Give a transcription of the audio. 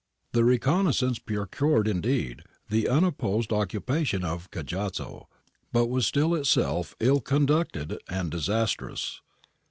The reconnaissance procured, indeed, the unopposed occupation of Cajazzo, but was itself ill conducted and disastrous.